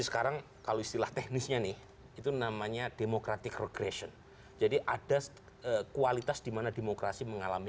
sekarang kalau istilah teknisnya nih itu namanya democratic regression jadi ada kualitas dimana